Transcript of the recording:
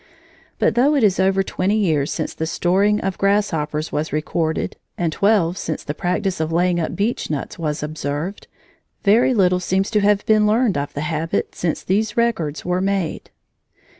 But though it is over twenty years since the storing of grasshoppers was recorded and twelve since the practice of laying up beechnuts was observed, very little seems to have been learned of the habit since these records were made.